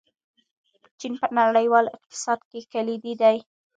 چین په نړیوال اقتصاد کې کلیدي دی.